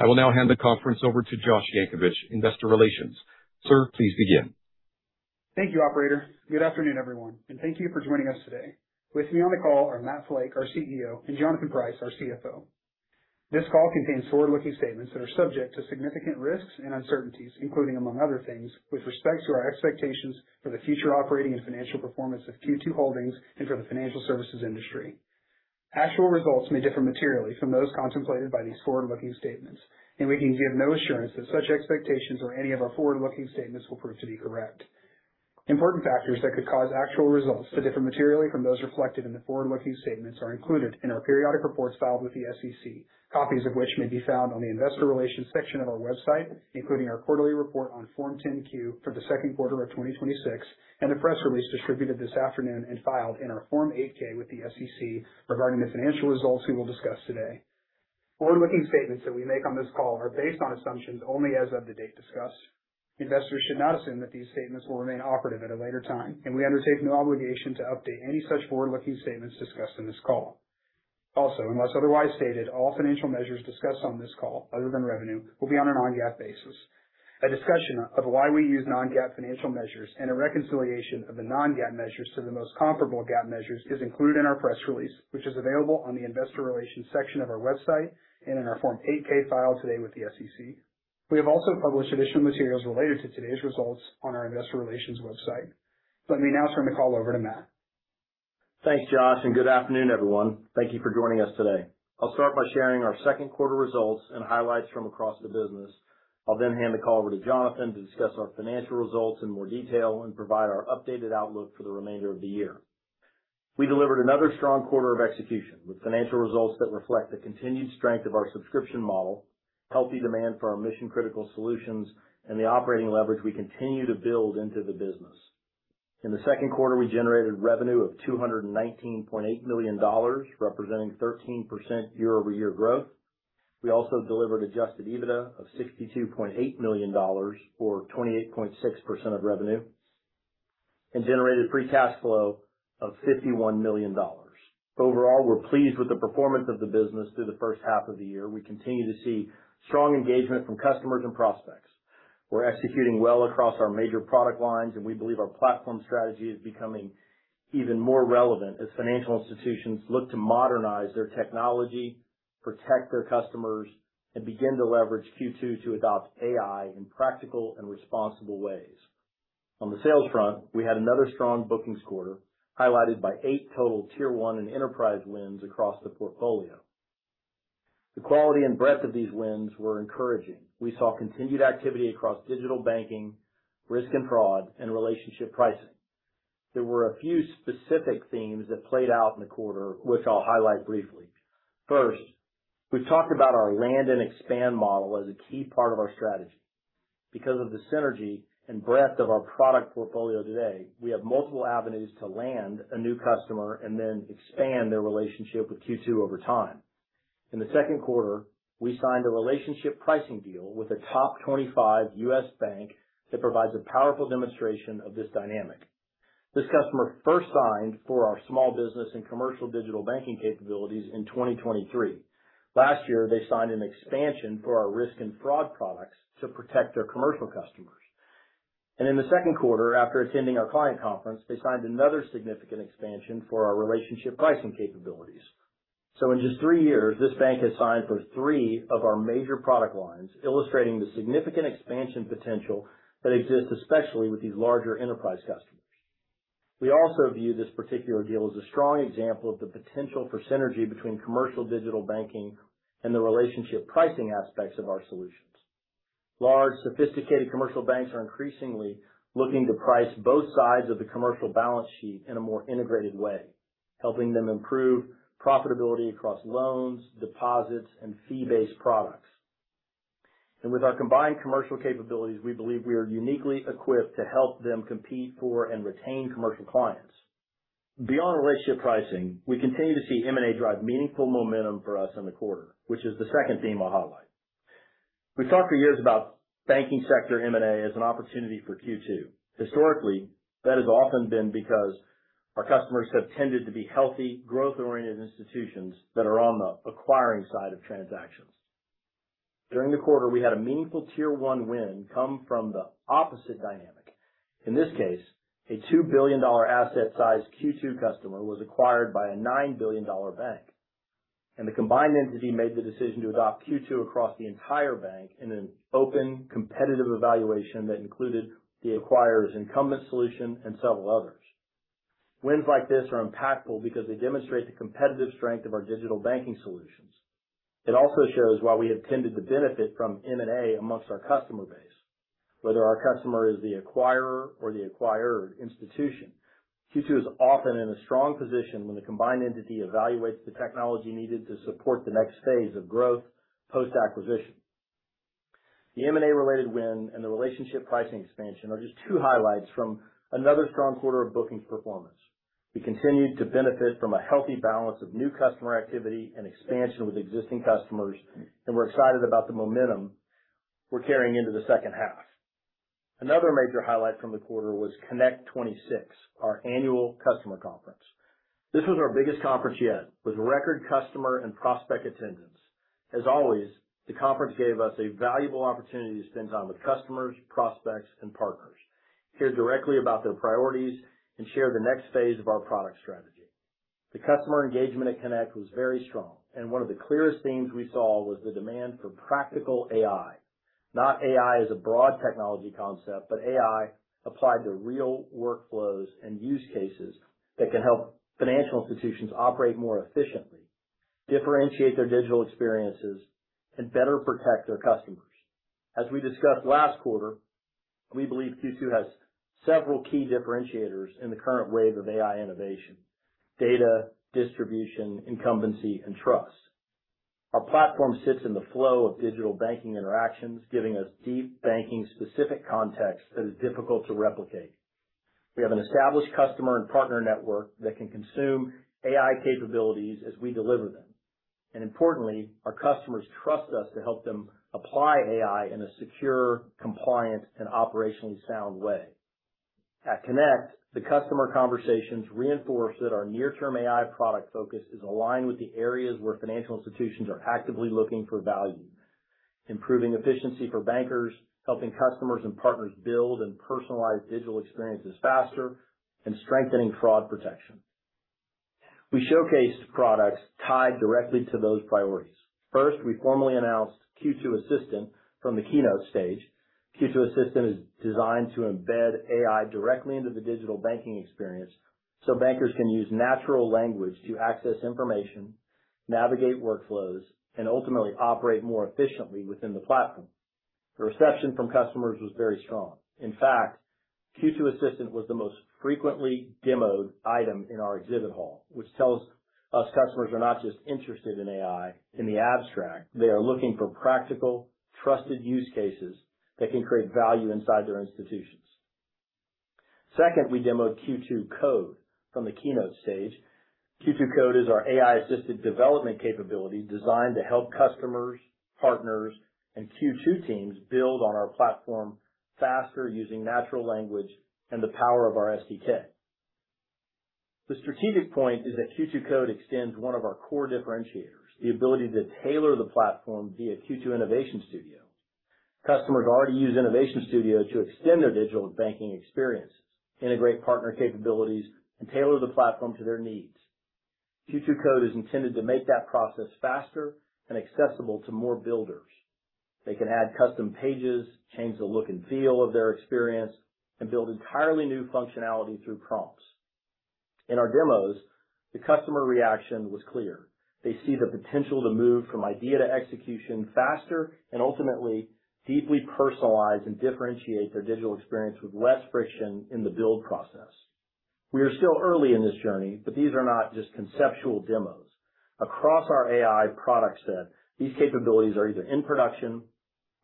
I will now hand the conference over to Josh Yankovich, Investor Relations. Sir, please begin. Thank you, operator. Good afternoon, everyone, and thank you for joining us today. With me on the call are Matt Flake, our CEO, and Jonathan Price, our CFO. This call contains forward-looking statements that are subject to significant risks and uncertainties, including among other things, with respect to our expectations for the future operating and financial performance of Q2 Holdings and for the financial services industry. Actual results may differ materially from those contemplated by these forward-looking statements. We can give no assurance that such expectations or any of our forward-looking statements will prove to be correct. Important factors that could cause actual results to differ materially from those reflected in the forward-looking statements are included in our periodic reports filed with the SEC, copies of which may be found on the Investor Relations section of our website, including our quarterly report on Form 10-Q for the second quarter of 2026. A press release distributed this afternoon and filed in our Form 8-K with the SEC regarding the financial results we will discuss today. Forward-looking statements that we make on this call are based on assumptions only as of the date discussed. Investors should not assume that these statements will remain operative at a later time. We undertake no obligation to update any such forward-looking statements discussed in this call. Unless otherwise stated, all financial measures discussed on this call, other than revenue, will be on a non-GAAP basis. A discussion of why we use non-GAAP financial measures and a reconciliation of the non-GAAP measures to the most comparable GAAP measures is included in our press release, which is available on the Investor Relations section of our website. In our Form 8-K filed today with the SEC. We have also published additional materials related to today's results on our Investor Relations website. Let me now turn the call over to Matt. Thanks, Josh, good afternoon, everyone. Thank you for joining us today. I'll start by sharing our second quarter results and highlights from across the business. I'll then hand the call over to Jonathan to discuss our financial results in more detail and provide our updated outlook for the remainder of the year. We delivered another strong quarter of execution with financial results that reflect the continued strength of our subscription model, healthy demand for our mission-critical solutions, and the operating leverage we continue to build into the business. In the second quarter, we generated revenue of $219.8 million, representing 13% year-over-year growth. We also delivered adjusted EBITDA of $62.8 million or 28.6% of revenue and generated free cash flow of $51 million. Overall, we're pleased with the performance of the business through the first half of the year. We continue to see strong engagement from customers and prospects. We're executing well across our major product lines. We believe our platform strategy is becoming even more relevant as financial institutions look to modernize their technology, protect their customers, and begin to leverage Q2 to adopt AI in practical and responsible ways. On the sales front, we had another strong bookings quarter, highlighted by eight total Tier 1 and enterprise wins across the portfolio. The quality and breadth of these wins were encouraging. We saw continued activity across digital banking, risk and fraud, and Relationship Pricing. There were a few specific themes that played out in the quarter, which I'll highlight briefly. First, we've talked about our land and expand model as a key part of our strategy. Because of the synergy and breadth of our product portfolio today, we have multiple avenues to land a new customer and then expand their relationship with Q2 over time. In the second quarter, we signed a Relationship Pricing deal with a top 25 U.S. bank that provides a powerful demonstration of this dynamic. This customer first signed for our small business and commercial digital banking capabilities in 2023. Last year, they signed an expansion for our risk and fraud products to protect their commercial customers. In the second quarter, after attending our client conference, they signed another significant expansion for our Relationship Pricing capabilities. In just three years, this bank has signed for three of our major product lines, illustrating the significant expansion potential that exists, especially with these larger enterprise customers. We also view this particular deal as a strong example of the potential for synergy between commercial digital banking and the Relationship Pricing aspects of our solutions. Large, sophisticated commercial banks are increasingly looking to price both sides of the commercial balance sheet in a more integrated way, helping them improve profitability across loans, deposits, and fee-based products. With our combined commercial capabilities, we believe we are uniquely equipped to help them compete for and retain commercial clients. Beyond Relationship Pricing, we continue to see M&A drive meaningful momentum for us in the quarter, which is the second theme I'll highlight. We've talked for years about banking sector M&A as an opportunity for Q2. Historically, that has often been because our customers have tended to be healthy, growth-oriented institutions that are on the acquiring side of transactions. During the quarter, we had a meaningful Tier 1 win come from the opposite dynamic. In this case, a $2 billion asset size Q2 customer was acquired by a $9 billion bank, and the combined entity made the decision to adopt Q2 across the entire bank in an open, competitive evaluation that included the acquirer's incumbent solution and several others. Wins like this are impactful because they demonstrate the competitive strength of our digital banking solutions. It also shows why we have tended to benefit from M&A amongst our customer base. Whether our customer is the acquirer or the acquired institution, Q2 is often in a strong position when the combined entity evaluates the technology needed to support the next phase of growth post-acquisition. The M&A-related win and the Relationship Pricing expansion are just two highlights from another strong quarter of bookings performance. We continued to benefit from a healthy balance of new customer activity and expansion with existing customers, we're excited about the momentum we're carrying into the second half. Another major highlight from the quarter was CONNECT 26, our annual customer conference. This was our biggest conference yet, with record customer and prospect attendance. As always, the conference gave us a valuable opportunity to spend time with customers, prospects, and partners, hear directly about their priorities, and share the next phase of our product strategy. The customer engagement at CONNECT was very strong, and one of the clearest themes we saw was the demand for practical AI. Not AI as a broad technology concept, but AI applied to real workflows and use cases that can help financial institutions operate more efficiently, differentiate their digital experiences, and better protect their customers. As we discussed last quarter, we believe Q2 has several key differentiators in the current wave of AI innovation: data, distribution, incumbency, and trust. Our platform sits in the flow of digital banking interactions, giving us deep banking-specific context that is difficult to replicate. We have an established customer and partner network that can consume AI capabilities as we deliver them. Importantly, our customers trust us to help them apply AI in a secure, compliant, and operationally sound way. At CONNECT, the customer conversations reinforced that our near-term AI product focus is aligned with the areas where financial institutions are actively looking for value, improving efficiency for bankers, helping customers and partners build and personalize digital experiences faster, and strengthening fraud protection. We showcased products tied directly to those priorities. First, we formally announced Q2 Assistant from the keynote stage. Q2 Assistant is designed to embed AI directly into the digital banking experience so bankers can use natural language to access information, navigate workflows, and ultimately operate more efficiently within the platform. The reception from customers was very strong. In fact, Q2 Assistant was the most frequently demoed item in our exhibit hall, which tells us customers are not just interested in AI in the abstract, they are looking for practical, trusted use cases that can create value inside their institutions. Second, we demoed Q2 Code from the keynote stage. Q2 Code is our AI-assisted development capability designed to help customers, partners, and Q2 teams build on our platform faster using natural language and the power of our SDK. The strategic point is that Q2 Code extends one of our core differentiators, the ability to tailor the platform via Q2 Innovation Studio. Customers already use Q2 Innovation Studio to extend their digital banking experiences, integrate partner capabilities, and tailor the platform to their needs. Q2 Code is intended to make that process faster and accessible to more builders. They can add custom pages, change the look and feel of their experience, and build entirely new functionality through prompts. In our demos, the customer reaction was clear. They see the potential to move from idea to execution faster and ultimately deeply personalize and differentiate their digital experience with less friction in the build process. We are still early in this journey, but these are not just conceptual demos. Across our AI product set, these capabilities are either in production,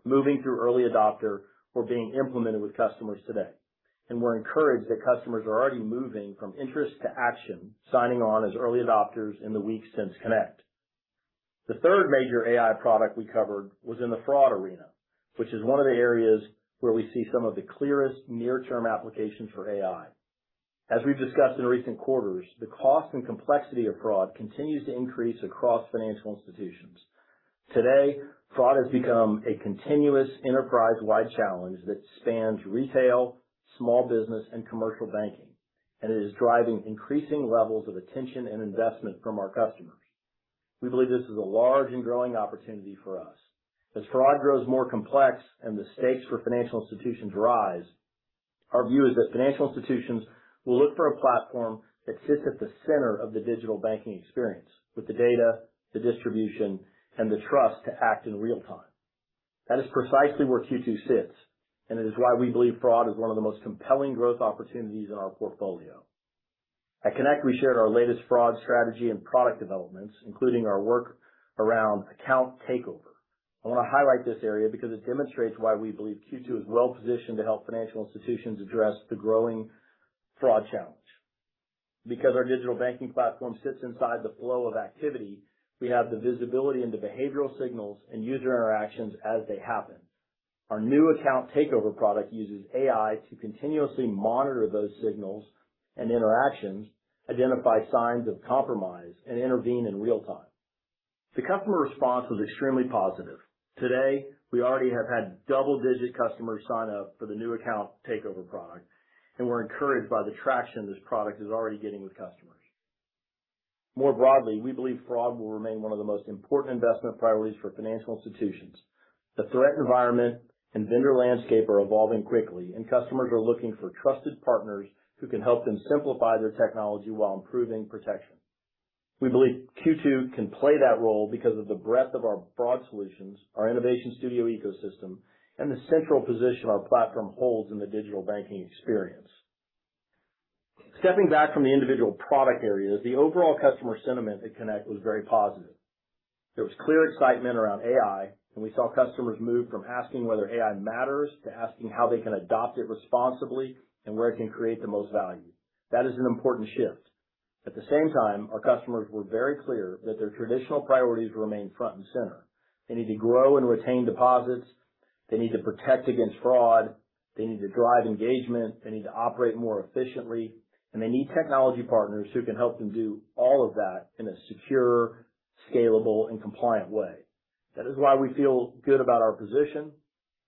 moving through early adopter, or being implemented with customers today. We're encouraged that customers are already moving from interest to action, signing on as early adopters in the weeks since CONNECT. The third major AI product we covered was in the fraud arena, which is one of the areas where we see some of the clearest near-term applications for AI. As we've discussed in recent quarters, the cost and complexity of fraud continues to increase across financial institutions. Today, fraud has become a continuous enterprise-wide challenge that spans retail, small business, and commercial banking, and it is driving increasing levels of attention and investment from our customers. We believe this is a large and growing opportunity for us. As fraud grows more complex and the stakes for financial institutions rise, our view is that financial institutions will look for a platform that sits at the center of the digital banking experience with the data, the distribution, and the trust to act in real time. That is precisely where Q2 sits, and it is why we believe fraud is one of the most compelling growth opportunities in our portfolio. At CONNECT, we shared our latest fraud strategy and product developments, including our work around Account Takeover. I want to highlight this area because it demonstrates why we believe Q2 is well-positioned to help financial institutions address the growing fraud challenge. Because our digital banking platform sits inside the flow of activity, we have the visibility into behavioral signals and user interactions as they happen. Our new Account Takeover product uses AI to continuously monitor those signals and interactions, identify signs of compromise, and intervene in real time. The customer response was extremely positive. Today, we already have had double-digit customers sign up for the new Account Takeover product, and we're encouraged by the traction this product is already getting with customers. More broadly, we believe fraud will remain one of the most important investment priorities for financial institutions. The threat environment and vendor landscape are evolving quickly, and customers are looking for trusted partners who can help them simplify their technology while improving protection. We believe Q2 can play that role because of the breadth of our broad solutions, our Q2 Innovation Studio ecosystem, and the central position our platform holds in the digital banking experience. Stepping back from the individual product areas, the overall customer sentiment at CONNECT was very positive. There was clear excitement around AI, and we saw customers move from asking whether AI matters to asking how they can adopt it responsibly and where it can create the most value. That is an important shift. At the same time, our customers were very clear that their traditional priorities remain front and center. They need to grow and retain deposits. They need to protect against fraud. They need to drive engagement. They need to operate more efficiently, and they need technology partners who can help them do all of that in a secure, scalable, and compliant way. That is why we feel good about our position.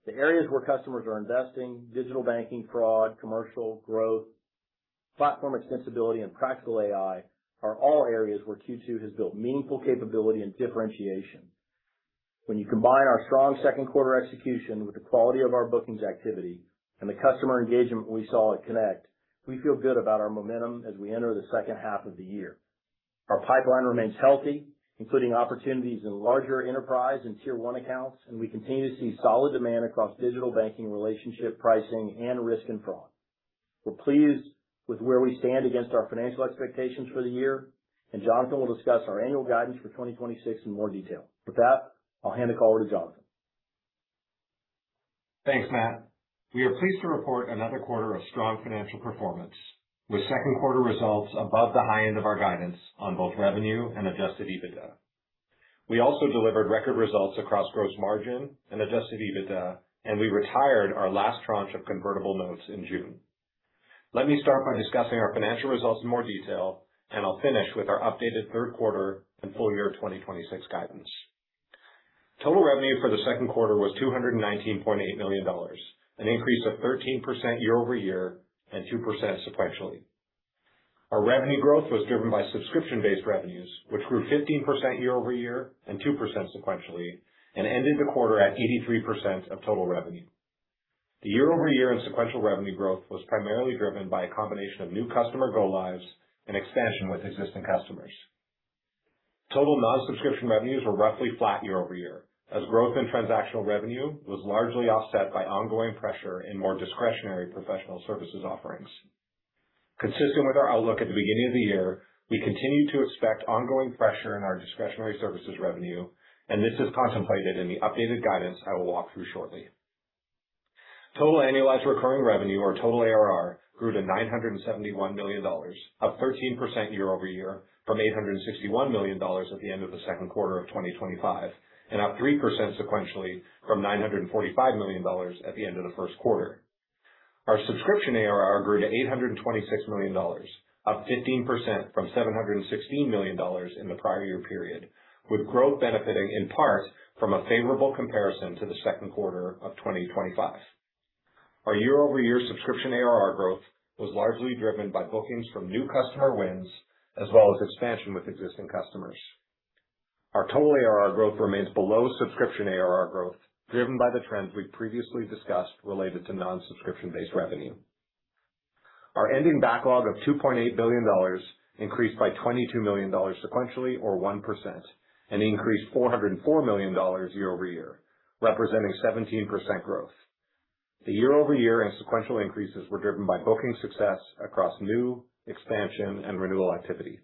The areas where customers are investing, digital banking, fraud, commercial growth, platform extensibility, and practical AI, are all areas where Q2 has built meaningful capability and differentiation. When you combine our strong second quarter execution with the quality of our bookings activity and the customer engagement we saw at CONNECT 26, we feel good about our momentum as we enter the second half of the year. Our pipeline remains healthy, including opportunities in larger enterprise and Tier 1 accounts, and we continue to see solid demand across digital banking, Relationship Pricing, and risk and fraud. We're pleased with where we stand against our financial expectations for the year. Jonathan will discuss our annual guidance for 2026 in more detail. With that, I'll hand the call over to Jonathan. Thanks, Matt. We are pleased to report another quarter of strong financial performance, with second quarter results above the high end of our guidance on both revenue and adjusted EBITDA. We also delivered record results across gross margin and adjusted EBITDA. We retired our last tranche of convertible notes in June. Let me start by discussing our financial results in more detail. I'll finish with our updated third quarter and full-year 2026 guidance. Total revenue for the second quarter was $219.8 million, an increase of 13% year-over-year and 2% sequentially. Our revenue growth was driven by subscription-based revenues, which grew 15% year-over-year and 2% sequentially, and ended the quarter at 83% of total revenue. The year-over-year and sequential revenue growth was primarily driven by a combination of new customer go lives and expansion with existing customers. Total non-subscription revenues were roughly flat year-over-year, as growth in transactional revenue was largely offset by ongoing pressure in more discretionary professional services offerings. Consistent with our outlook at the beginning of the year, we continue to expect ongoing pressure in our discretionary services revenue. This is contemplated in the updated guidance I will walk through shortly. Total annualized recurring revenue, or total ARR, grew to $971 million, up 13% year-over-year from $861 million at the end of the second quarter of 2025, and up 3% sequentially from $945 million at the end of the first quarter. Our subscription ARR grew to $826 million, up 15% from $716 million in the prior year period, with growth benefiting in part from a favorable comparison to the second quarter of 2025. Our year-over-year subscription ARR growth was largely driven by bookings from new customer wins as well as expansion with existing customers. Our total ARR growth remains below subscription ARR growth, driven by the trends we've previously discussed related to non-subscription-based revenue. Our ending backlog of $2.8 billion increased by $22 million sequentially or 1%, and increased $404 million year-over-year, representing 17% growth. The year-over-year and sequential increases were driven by booking success across new, expansion, and renewal activity.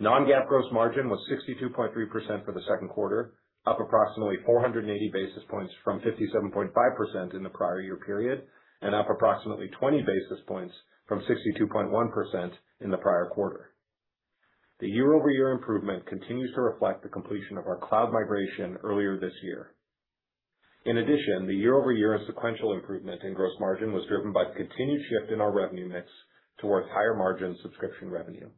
Non-GAAP gross margin was 62.3% for the second quarter, up approximately 480 basis points from 57.5% in the prior year period, and up approximately 20 basis points from 62.1% in the prior quarter. The year-over-year improvement continues to reflect the completion of our cloud migration earlier this year. In addition, the year-over-year and sequential improvement in gross margin was driven by the continued shift in our revenue mix towards higher margin subscription revenue.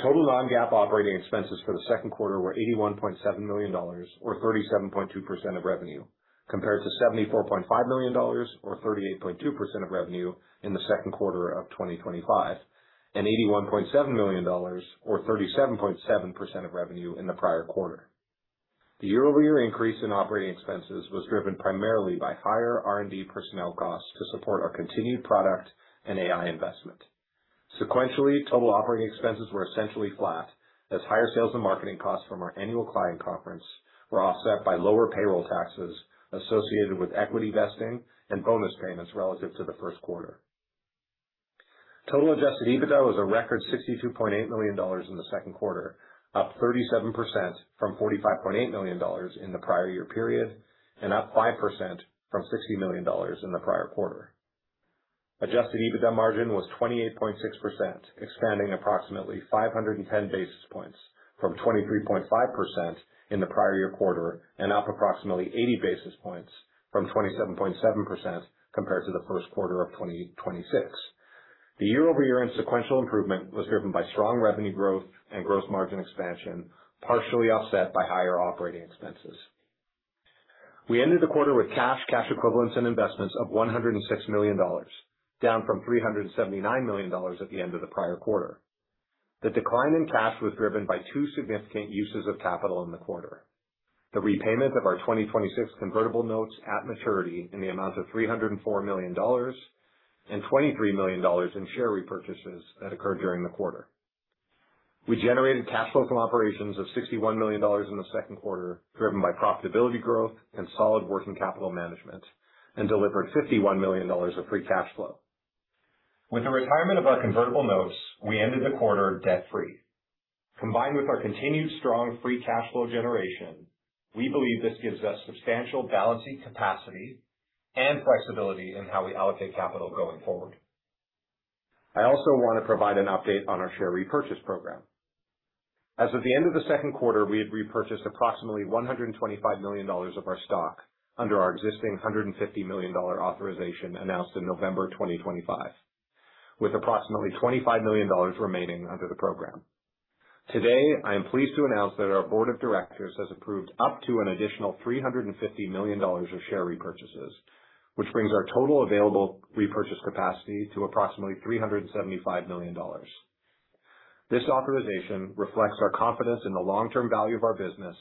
Total non-GAAP operating expenses for the second quarter were $81.7 million or 37.2% of revenue, compared to $74.5 million or 38.2% of revenue in the second quarter of 2025, and $81.7 million or 37.7% of revenue in the prior quarter. The year-over-year increase in operating expenses was driven primarily by higher R&D personnel costs to support our continued product and AI investment. Sequentially, total operating expenses were essentially flat as higher sales and marketing costs from our annual client conference were offset by lower payroll taxes associated with equity vesting and bonus payments relative to the first quarter. Total adjusted EBITDA was a record $62.8 million in the second quarter, up 37% from $45.8 million in the prior year period and up 5% from $60 million in the prior quarter. Adjusted EBITDA margin was 28.6%, expanding approximately 510 basis points from 23.5% in the prior year quarter and up approximately 80 basis points from 27.7% compared to the first quarter of 2026. The year-over-year and sequential improvement was driven by strong revenue growth and gross margin expansion, partially offset by higher operating expenses. We ended the quarter with cash equivalents, and investments of $106 million, down from $379 million at the end of the prior quarter. The decline in cash was driven by two significant uses of capital in the quarter. The repayment of our 2026 convertible notes at maturity in the amount of $304 million and $23 million in share repurchases that occurred during the quarter. We generated cash flow from operations of $61 million in the second quarter, driven by profitability growth and solid working capital management, and delivered $51 million of free cash flow. With the retirement of our convertible notes, we ended the quarter debt-free. Combined with our continued strong free cash flow generation, we believe this gives us substantial balancing capacity and flexibility in how we allocate capital going forward. I also want to provide an update on our share repurchase program. As of the end of the second quarter, we had repurchased approximately $125 million of our stock under our existing $150 million authorization announced in November 2025, with approximately $25 million remaining under the program. Today, I am pleased to announce that our Board of Directors has approved up to an additional $350 million of share repurchases, which brings our total available repurchase capacity to approximately $375 million. This authorization reflects our confidence in the long-term value of our business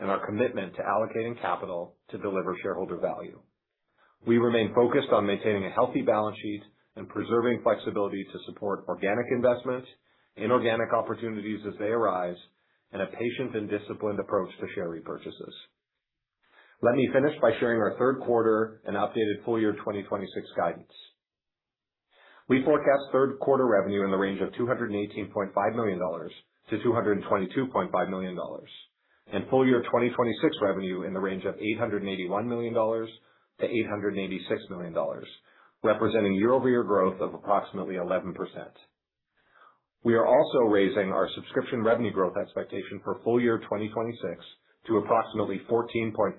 and our commitment to allocating capital to deliver shareholder value. We remain focused on maintaining a healthy balance sheet and preserving flexibility to support organic investments, inorganic opportunities as they arise, and a patient and disciplined approach to share repurchases. Let me finish by sharing our third quarter and updated full-year 2026 guidance. We forecast third quarter revenue in the range of $218.5 million-$222.5 million, and full-year 2026 revenue in the range of $881 million-$886 million, representing year-over-year growth of approximately 11%. We are also raising our subscription revenue growth expectation for full-year 2026 to approximately 14.5%,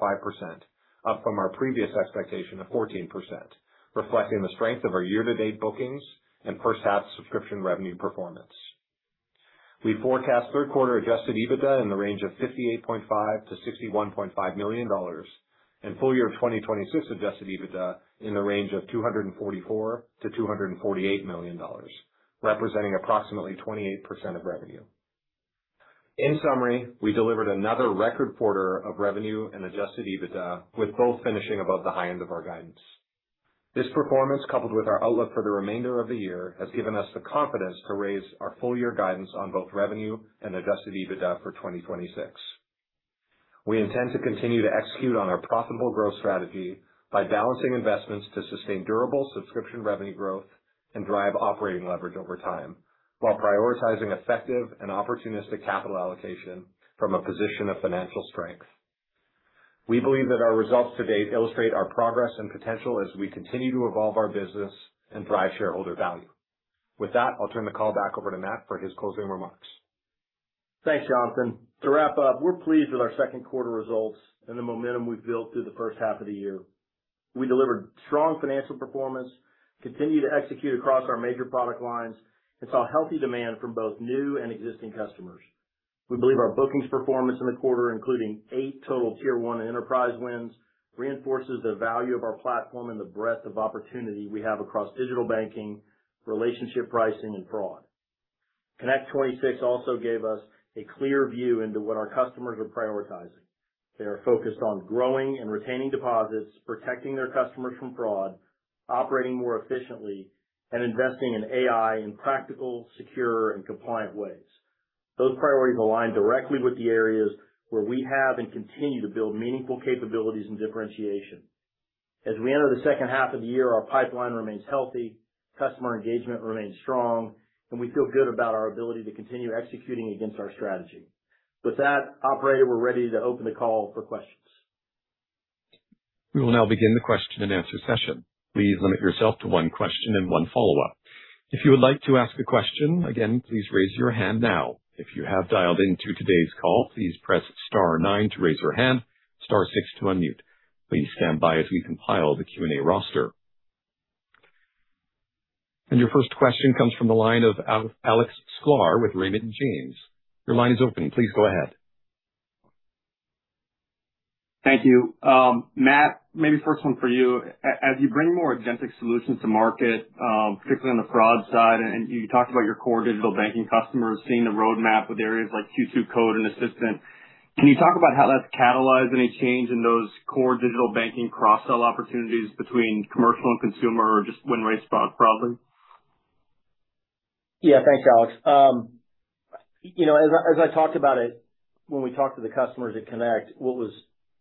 up from our previous expectation of 14%, reflecting the strength of our year-to-date bookings and first half subscription revenue performance. We forecast third quarter adjusted EBITDA in the range of $58.5 million-$61.5 million, and full-year 2026 adjusted EBITDA in the range of $244 million-$248 million, representing approximately 28% of revenue. In summary, we delivered another record quarter of revenue and adjusted EBITDA, with both finishing above the high end of our guidance. This performance, coupled with our outlook for the remainder of the year, has given us the confidence to raise our full-year guidance on both revenue and adjusted EBITDA for 2026. We intend to continue to execute on our profitable growth strategy by balancing investments to sustain durable subscription revenue growth and drive operating leverage over time, while prioritizing effective and opportunistic capital allocation from a position of financial strength. We believe that our results to date illustrate our progress and potential as we continue to evolve our business and drive shareholder value. With that, I'll turn the call back over to Matt for his closing remarks. Thanks, Jonathan. To wrap up, we're pleased with our second quarter results and the momentum we've built through the first half of the year. We delivered strong financial performance, continued to execute across our major product lines, and saw healthy demand from both new and existing customers. We believe our bookings performance in the quarter, including eight total Tier 1 enterprise wins, reinforces the value of our platform and the breadth of opportunity we have across digital banking, Relationship Pricing, and fraud. CONNECT 26 also gave us a clear view into what our customers are prioritizing. They are focused on growing and retaining deposits, protecting their customers from fraud, operating more efficiently, and investing in AI in practical, secure, and compliant ways. Those priorities align directly with the areas where we have and continue to build meaningful capabilities and differentiation. As we enter the second half of the year, our pipeline remains healthy, customer engagement remains strong, and we feel good about our ability to continue executing against our strategy. With that, operator, we're ready to open the call for questions. We will now begin the question and answer session. Please limit yourself to one question and one follow-up. If you would like to ask a question, again, please raise your hand now. If you have dialed into today's call, please press star nine to raise your hand, star six to unmute. Please stand by as we compile the Q and A roster. Your first question comes from the line of Alex Sklar with Raymond James. Your line is open. Please go ahead. Thank you. Matt, maybe first one for you. As you bring more agentic solutions to market, particularly on the fraud side, you talked about your core digital banking customers seeing the roadmap with areas like Q2 Code and Q2 Assistant, can you talk about how that's catalyzed any change in those core digital banking cross-sell opportunities between commercial and consumer or just win rates fraud? Yeah, thanks, Alex. As I talked about it when we talked to the customers at CONNECT, what was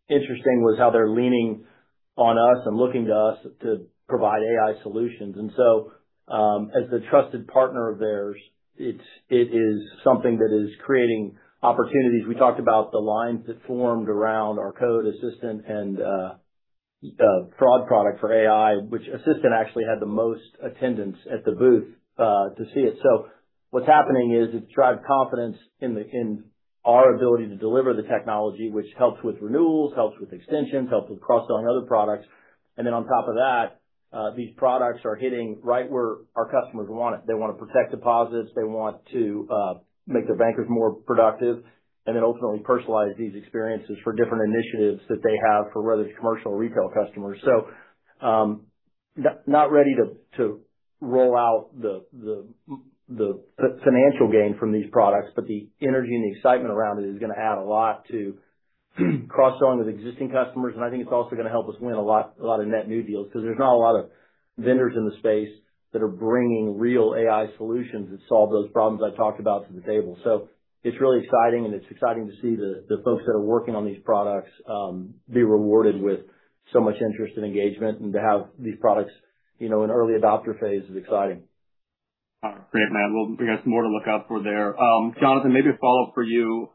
interesting was how they're leaning on us and looking to us to provide AI solutions. As a trusted partner of theirs, it is something that is creating opportunities. We talked about the lines that formed around our Q2 Code, Q2 Assistant and fraud product for AI, which Q2 Assistant actually had the most attendance at the booth to see it. What's happening is it's drive confidence in our ability to deliver the technology, which helps with renewals, helps with extensions, helps with cross-selling other products. On top of that, these products are hitting right where our customers want it. They want to protect deposits, they want to make their bankers more productive, ultimately personalize these experiences for different initiatives that they have for whether it's commercial or retail customers. Not ready to roll out the financial gain from these products, but the energy and the excitement around it is going to add a lot to cross-selling with existing customers. I think it's also going to help us win a lot of net new deals, because there's not a lot of vendors in the space that are bringing real AI solutions that solve those problems I talked about to the table. It's really exciting, and it's exciting to see the folks that are working on these products be rewarded with so much interest and engagement and to have these products An early adopter phase is exciting. Great, Matt. You guys, more to look out for there. Jonathan, maybe a follow-up for you.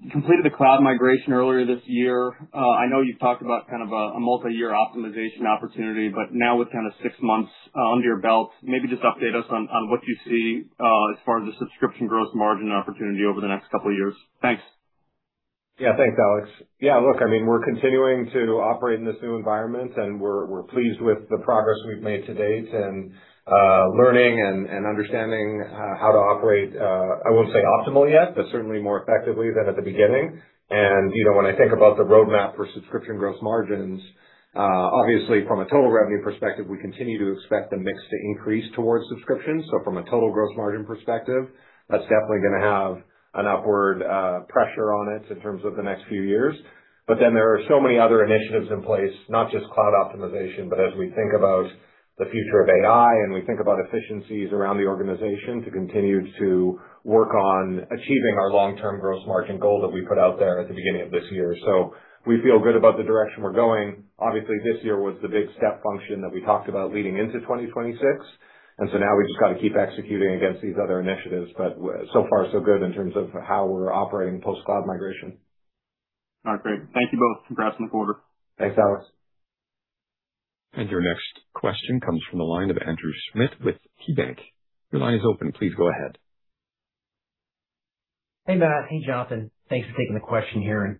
Completed the cloud migration earlier this year. I know you've talked about a multi-year optimization opportunity, now with six months under your belt, maybe just update us on what you see as far as the subscription gross margin opportunity over the next couple of years. Thanks. Thanks, Alex. We're continuing to operate in this new environment, and we're pleased with the progress we've made to date and learning and understanding how to operate, I won't say optimal yet, but certainly more effectively than at the beginning. When I think about the roadmap for subscription gross margins, obviously from a total revenue perspective, we continue to expect the mix to increase towards subscriptions. From a total gross margin perspective, that's definitely going to have an upward pressure on it in terms of the next few years. There are so many other initiatives in place, not just cloud optimization, but as we think about the future of AI and we think about efficiencies around the organization to continue to work on achieving our long-term gross margin goal that we put out there at the beginning of this year. We feel good about the direction we're going. Obviously, this year was the big step function that we talked about leading into 2026, now we've just got to keep executing against these other initiatives. So far so good in terms of how we're operating post-cloud migration. All right, great. Thank you both. Congrats on the quarter. Thanks, Alex. Your next question comes from the line of Andrew Schmidt with KeyBanc. Your line is open. Please go ahead. Hey, Matt. Hey, Jonathan. Thanks for taking the question here and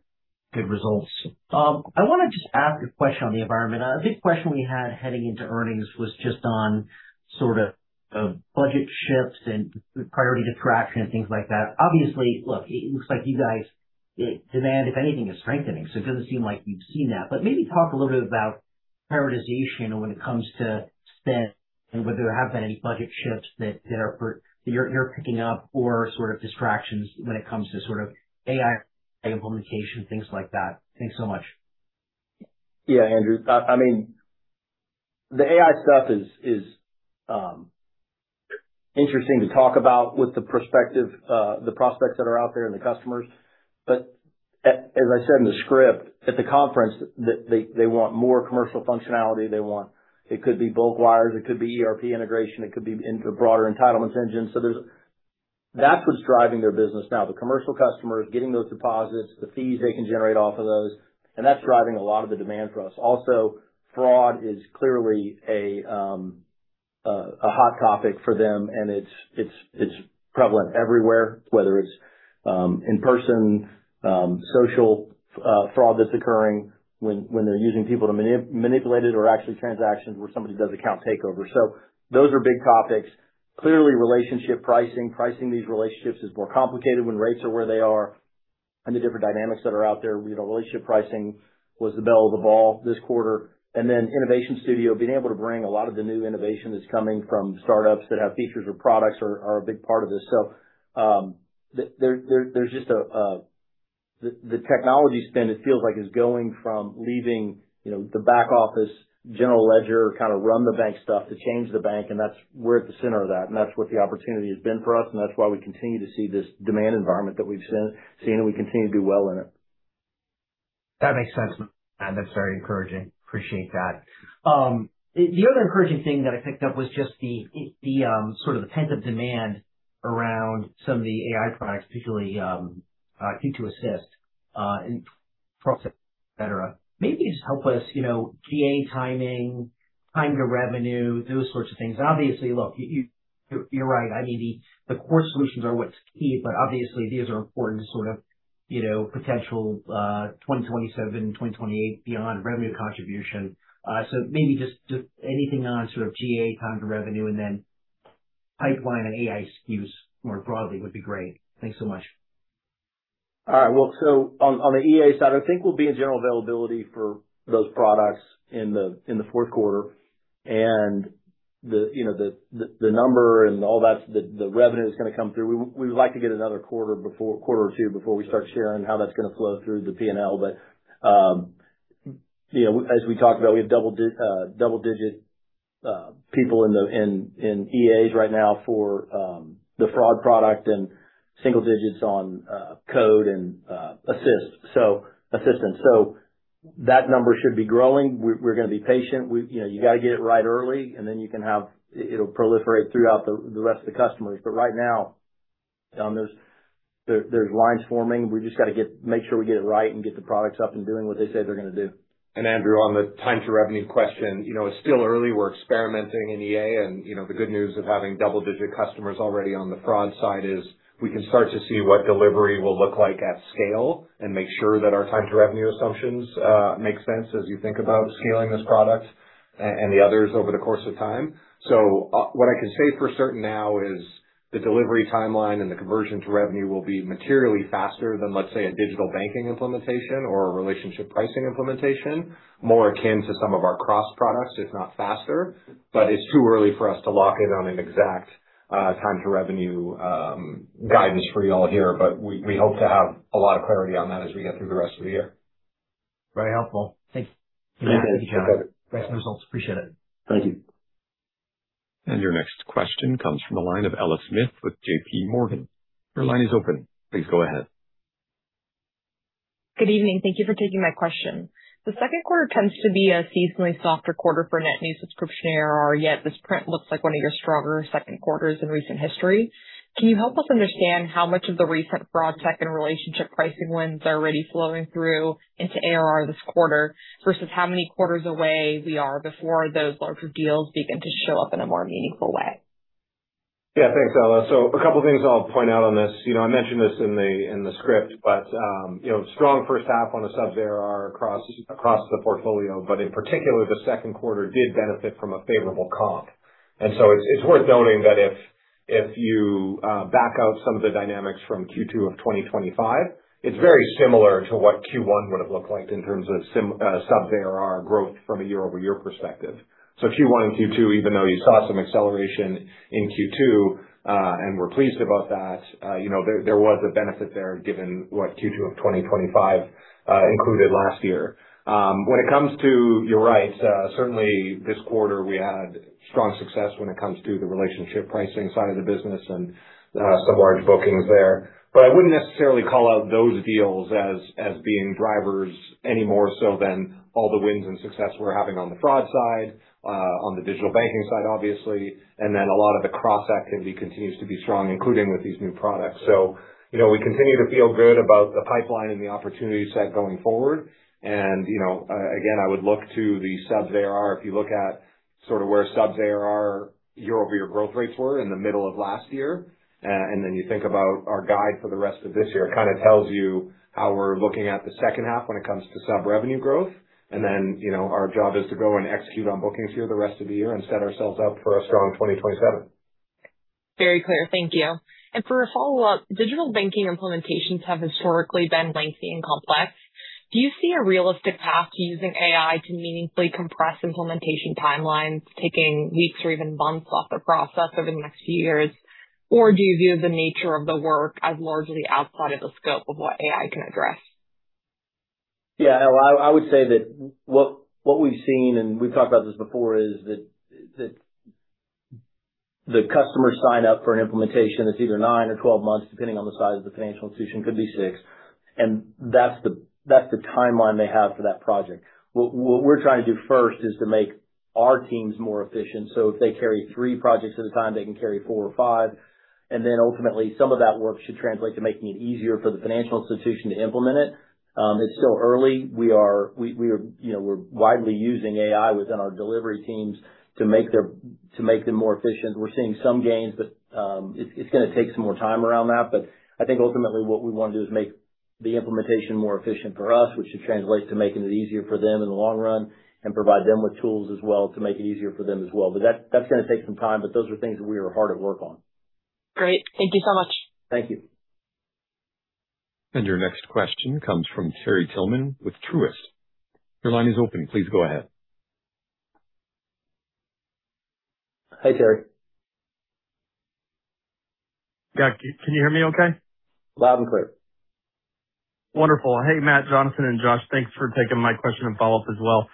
good results. I want to just ask a question on the environment. A big question we had heading into earnings was just on sort of budget shifts and priority distraction and things like that. Obviously, look, it looks like you guys, demand, if anything, is strengthening, so it doesn't seem like you've seen that. Maybe talk a little bit about prioritization when it comes to spend and whether there have been any budget shifts that you're picking up or distractions when it comes to AI implementation, things like that. Thanks so much. Andrew. The AI stuff is interesting to talk about with the prospects that are out there and the customers. As I said in the script at the conference, they want more commercial functionality. It could be bulk wires, it could be ERP integration, it could be broader entitlements engine. That's what's driving their business now. The commercial customers getting those deposits, the fees they can generate off of those, and that's driving a lot of the demand for us. Also, fraud is clearly a hot topic for them and it's prevalent everywhere, whether it's in-person, social fraud that's occurring when they're using people to manipulate it or actually transactions where somebody does Account Takeover. Those are big topics. Clearly, Relationship Pricing. Pricing these relationships is more complicated when rates are where they are and the different dynamics that are out there. Relationship Pricing was the belle of the ball this quarter. Q2 Innovation Studio being able to bring a lot of the new innovation that's coming from startups that have features or products are a big part of this. The technology spend, it feels like is going from leaving the back office general ledger kind of run the bank stuff to change the bank and we're at the center of that. That's what the opportunity has been for us, and that's why we continue to see this demand environment that we've seen and we continue to do well in it. That makes sense. That's very encouraging. Appreciate that. The other encouraging thing that I picked up was just the tent of demand around some of the AI products, particularly Q2 Assistant and process, et cetera. Maybe just help us, GA timing, time to revenue, those sorts of things. Obviously, look, you're right. The core solutions are what's key, but obviously these are important to potential 2027, 2028 beyond revenue contribution. Maybe just anything on sort of GA time to revenue and then pipeline and AI SKUs more broadly would be great. Thanks so much. On the EA side, I think we'll be in general availability for those products in the fourth quarter. The number and all that, the revenue that's going to come through, we would like to get another quarter or two before we start sharing how that's going to flow through the P&L. As we talked about, we have double-digit people in EAs right now for the fraud product and single digits on Q2 Code and Q2 Assistant. That number should be growing. We're going to be patient. You got to get it right early, and then it'll proliferate throughout the rest of the customers. Right now, there's lines forming. We just got to make sure we get it right and get the products up and doing what they say they're going to do. Andrew, on the time to revenue question, it's still early. We're experimenting in EA and the good news of having double-digit customers already on the fraud side is we can start to see what delivery will look like at scale and make sure that our time to revenue assumptions make sense as you think about scaling this product and the others over the course of time. What I can say for certain now is the delivery timeline and the conversion to revenue will be materially faster than, let's say, a digital banking implementation or a Relationship Pricing implementation, more akin to some of our cross products, if not faster. It's too early for us to lock in on an exact time to revenue guidance for you all here. We hope to have a lot of clarity on that as we get through the rest of the year. Very helpful. Thank you. You bet. Thanks for the results. Appreciate it. Thank you. Your next question comes from the line of Ella Smith with JPMorgan. Your line is open. Please go ahead. Good evening. Thank you for taking my question. The second quarter tends to be a seasonally softer quarter for net new subscription ARR, yet this print looks like one of your stronger second quarters in recent history. Can you help us understand how much of the recent fraud, tech, and Relationship Pricing wins are already flowing through into ARR this quarter, versus how many quarters away we are before those larger deals begin to show up in a more meaningful way? Thanks, Ella. A couple things I'll point out on this. I mentioned this in the script, but strong first half on the sub-ARR across the portfolio, but in particular, the second quarter did benefit from a favorable comp. It's worth noting that if you back out some of the dynamics from Q2 of 2025, it's very similar to what Q1 would've looked like in terms of sub-ARR growth from a year-over-year perspective. Q1 and Q2, even though you saw some acceleration in Q2, and we're pleased about that, there was a benefit there given what Q2 of 2025 included last year. You're right, certainly this quarter we had strong success when it comes to the Relationship Pricing side of the business and some large bookings there. I wouldn't necessarily call out those deals as being drivers any more so than all the wins and success we're having on the fraud side, on the digital banking side, obviously. A lot of the cross activity continues to be strong, including with these new products. We continue to feel good about the pipeline and the opportunity set going forward. Again, I would look to the sub-ARR. If you look at sort of where sub-ARR year-over-year growth rates were in the middle of last year, then you think about our guide for the rest of this year, it kind of tells you how we're looking at the second half when it comes to sub-revenue growth. Our job is to go and execute on bookings here the rest of the year and set ourselves up for a strong 2027. Very clear. Thank you. For a follow-up, digital banking implementations have historically been lengthy and complex. Do you see a realistic path to using AI to meaningfully compress implementation timelines, taking weeks or even months off the process over the next few years? Or do you view the nature of the work as largely outside of the scope of what AI can address? Ella, I would say that what we've seen, and we've talked about this before, is that the customer sign-up for an implementation is either nine or 12 months, depending on the size of the financial institution. Could be six. That's the timeline they have for that project. What we're trying to do first is to make our teams more efficient, so if they carry three projects at a time, they can carry four or five. Ultimately, some of that work should translate to making it easier for the financial institution to implement it. It's still early. We're widely using AI within our delivery teams to make them more efficient. We're seeing some gains, but it's going to take some more time around that. I think ultimately what we want to do is make the implementation more efficient for us, which should translate to making it easier for them in the long run and provide them with tools as well to make it easier for them as well. That's going to take some time, but those are things that we are hard at work on. Great. Thank you so much. Thank you. Your next question comes from Terry Tillman with Truist. Your line is open. Please go ahead. Hi, Terry. Yeah. Can you hear me okay? Loud and clear. Wonderful. Hey, Matt, Jonathan, and Josh, thanks for taking my question and follow-up as well.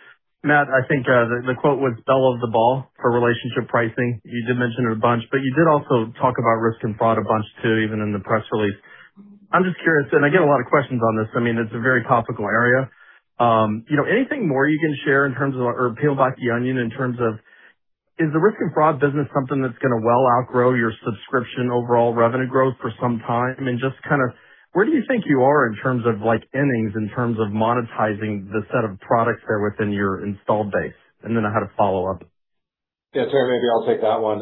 Matt, I think the quote was belle of the ball for Relationship Pricing. You did mention it a bunch, but you did also talk about risk and fraud a bunch too, even in the press release. I'm just curious, and I get a lot of questions on this. It's a very topical area. Anything more you can share in terms of or peel back the onion in terms of is the risk and fraud business something that's going to well outgrow your subscription overall revenue growth for some time? Just kind of where do you think you are in terms of like innings, in terms of monetizing the set of products there within your installed base? Then I had a follow-up. Yeah, Terry, maybe I'll take that one.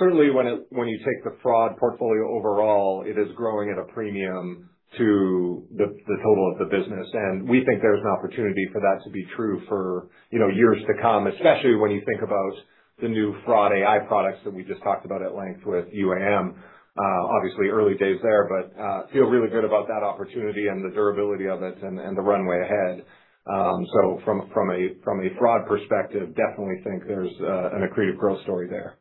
Certainly when you take the fraud portfolio overall, it is growing at a premium to the total of the business. We think there's an opportunity for that to be true for years to come, especially when you think about the new fraud AI products that we just talked about at length with UAM. Obviously early days there, but feel really good about that opportunity and the durability of it and the runway ahead. From a fraud perspective, definitely think there's an accretive growth story there.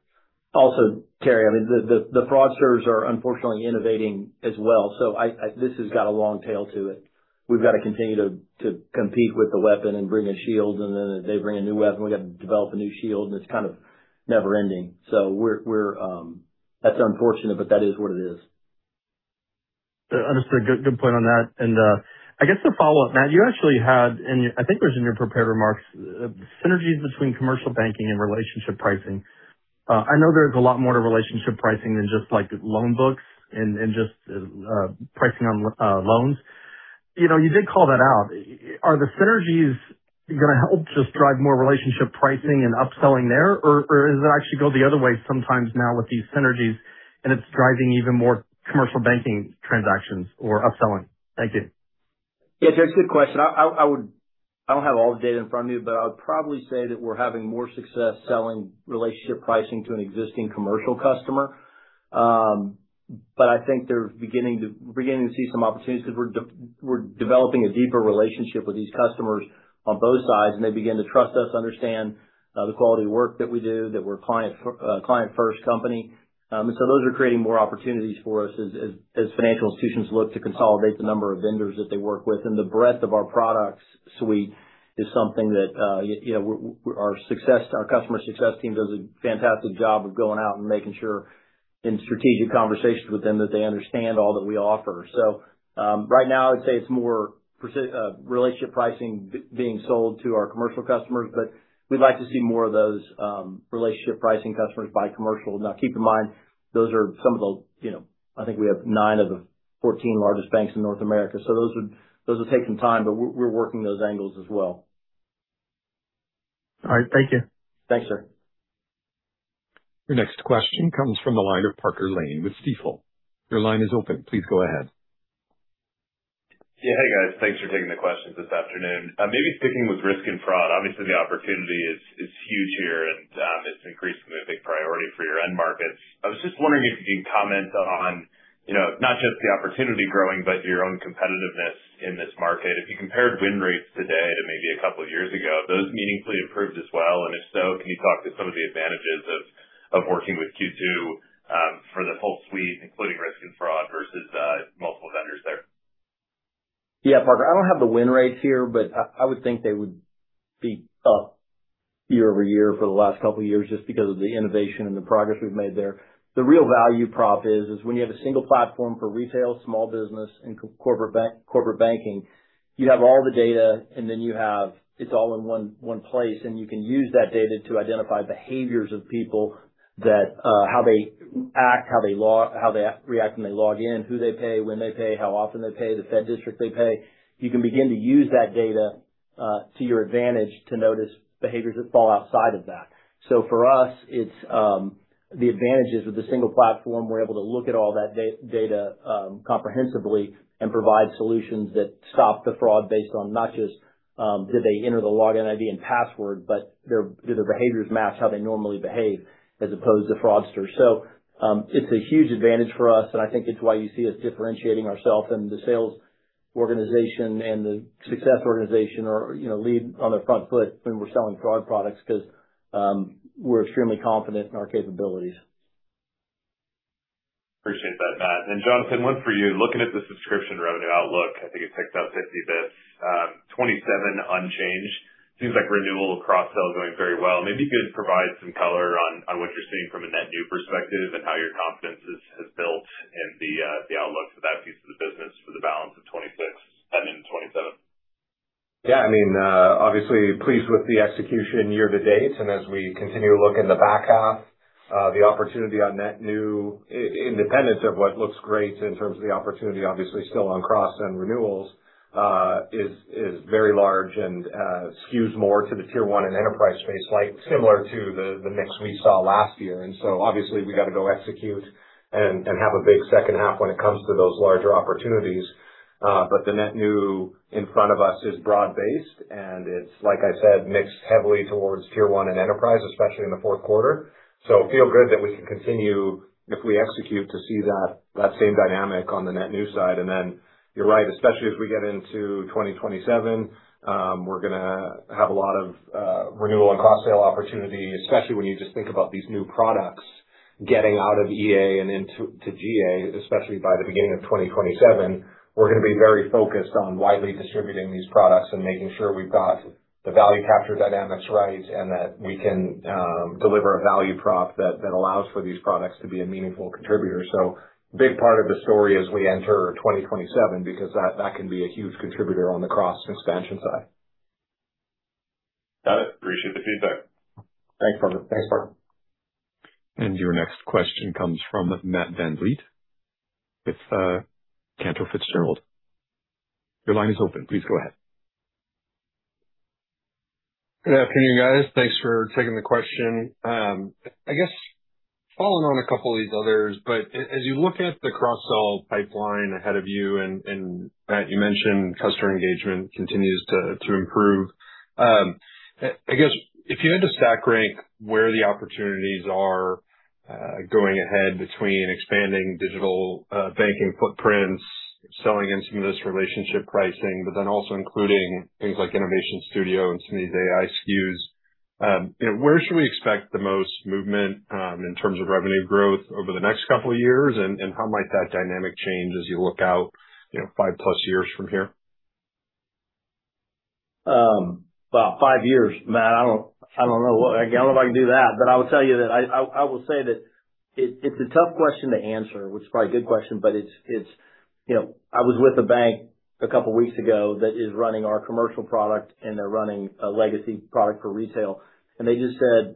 Also, Terry, the fraudsters are unfortunately innovating as well. This has got a long tail to it. We've got to continue to compete with the weapon and bring a shield, and then they bring a new weapon, we got to develop a new shield, and it's kind of never-ending. That's unfortunate, but that is what it is. Understood. Good point on that. I guess a follow-up, Matt, you actually had in, I think it was in your prepared remarks, synergies between commercial banking and Relationship Pricing. I know there's a lot more to Relationship Pricing than just like loan books and just pricing on loans. You did call that out. Are the synergies going to help just drive more Relationship Pricing and upselling there? Or does it actually go the other way sometimes now with these synergies and it's driving even more commercial banking transactions or upselling? Thank you. Yeah, Terry, good question. I don't have all the data in front of me, but I would probably say that we're having more success selling Relationship Pricing to an existing commercial customer. I think they're beginning to see some opportunities because we're developing a deeper relationship with these customers on both sides, and they begin to trust us, understand the quality of work that we do, that we're a client-first company. Those are creating more opportunities for us as financial institutions look to consolidate the number of vendors that they work with and the breadth of our product suite is something that our customer success team does a fantastic job of going out and making sure in strategic conversations with them that they understand all that we offer. Right now I would say it's more Relationship Pricing being sold to our commercial customers, we'd like to see more of those Relationship Pricing customers buy commercial. Now keep in mind, I think we have nine of the 14 largest banks in North America. Those would take some time, we're working those angles as well. All right. Thank you. Thanks, Terry. Your next question comes from the line of Parker Lane with Stifel. Your line is open. Please go ahead. Yeah. Hey, guys. Thanks for taking the questions this afternoon. Maybe sticking with risk and fraud. Obviously, the opportunity is huge here and it's increasingly a big priority for your end markets. I was just wondering if you can comment on not just the opportunity growing, but your own competitiveness in this market. If you compared win rates today to maybe a couple of years ago, have those meaningfully improved as well? If so, can you talk to some of the advantages of working with Q2 for the whole suite, including risk and fraud versus multiple vendors there? Yeah, Parker, I don't have the win rates here, but I would think they would be up year-over-year for the last couple of years just because of the innovation and the progress we've made there. The real value prop is when you have a single platform for retail, small business, and corporate banking, you have all the data, and then it's all in one place, and you can use that data to identify behaviors of people, how they act, how they react when they log in, who they pay, when they pay, how often they pay, the Fed district they pay. You can begin to use that data to your advantage to notice behaviors that fall outside of that. For us, it's the advantages of the single platform. We're able to look at all that data comprehensively and provide solutions that stop the fraud based on not just did they enter the login ID and password, but do their behaviors match how they normally behave as opposed to fraudsters. It's a huge advantage for us, and I think it's why you see us differentiating ourselves and the sales organization and the success organization are lead on the front foot when we're selling fraud products because we're extremely confident in our capabilities. Appreciate that, Matt. Jonathan, one for you. Looking at the subscription revenue outlook, I think it ticked up 50 basis points, 27% unchanged. Seems like renewal cross-sell is going very well. Maybe you could provide some color on what you're seeing from a net new perspective and how your confidence has built in the outlook for that piece of the business for the balance of 2026 and into 2027. Yeah. Obviously pleased with the execution year-to-date, as we continue to look in the back half, the opportunity on net new, independent of what looks great in terms of the opportunity, obviously still on cross and renewals, is very large and skews more to the Tier 1 and enterprise space, similar to the mix we saw last year. Obviously we got to go execute and have a big second half when it comes to those larger opportunities. The net new in front of us is broad-based, and it's, like I said, mixed heavily towards Tier 1 and enterprise, especially in the fourth quarter. Feel good that we can continue if we execute to see that same dynamic on the net new side. You're right, especially as we get into 2027, we're going to have a lot of renewal and cross-sell opportunities, especially when you just think about these new products getting out of EA and into GA, especially by the beginning of 2027. We're going to be very focused on widely distributing these products and making sure we've got the value capture dynamics right, and that we can deliver a value prop that allows for these products to be a meaningful contributor. A big part of the story as we enter 2027, because that can be a huge contributor on the cross-expansion side. Got it. Appreciate the feedback. Thanks, Parker. Thanks, Parker. Your next question comes from Matt VanVliet with Cantor Fitzgerald. Your line is open. Please go ahead. Good afternoon, guys. Thanks for taking the question. I guess following on a couple of these others, but as you look at the cross-sell pipeline ahead of you, and Matt, you mentioned customer engagement continues to improve. I guess if you had to stack rank where the opportunities are going ahead between expanding digital banking footprints, selling into this Relationship Pricing, but then also including things like Q2 Innovation Studio and some of these AI SKUs, where should we expect the most movement in terms of revenue growth over the next couple of years? How might that dynamic change as you look out 5+ years from here? About five years, Matt, I don't know if I can do that, but I will say that it's a tough question to answer, which is probably a good question. I was with a bank a couple weeks ago that is running our commercial product, and they're running a legacy product for retail, and they just said,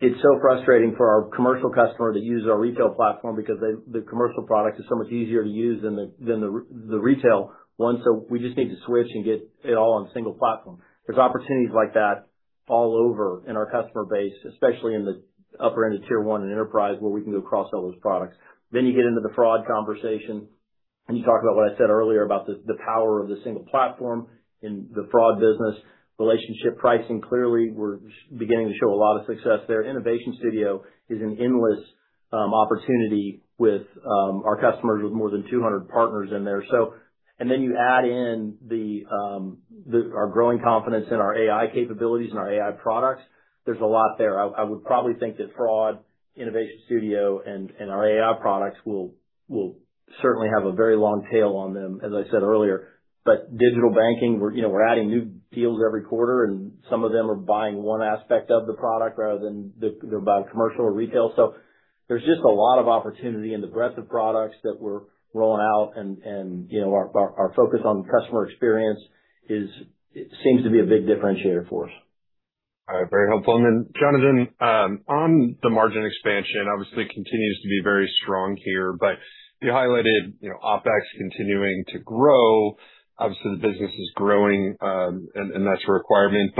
"It's so frustrating for our commercial customer to use our retail platform because the commercial product is so much easier to use than the retail one, so we just need to switch and get it all on a single platform." There's opportunities like that all over in our customer base, especially in the upper end of Tier 1 and enterprise, where we can go cross-sell those products. You get into the fraud conversation, and you talk about what I said earlier about the power of the single platform in the fraud business. Relationship Pricing, clearly we're beginning to show a lot of success there. Q2 Innovation Studio is an endless opportunity with our customers, with more than 200 partners in there. You add in our growing confidence in our AI capabilities and our AI products. There's a lot there. I would probably think that fraud, Q2 Innovation Studio, and our AI products will certainly have a very long tail on them, as I said earlier. Digital banking, we're adding new deals every quarter, and some of them are buying one aspect of the product rather than they're buying commercial or retail. There's just a lot of opportunity in the breadth of products that we're rolling out, and our focus on customer experience seems to be a big differentiator for us. All right. Very helpful. Jonathan, on the margin expansion, obviously continues to be very strong here, but you highlighted OpEx continuing to grow. Obviously, the business is growing, and that's a requirement.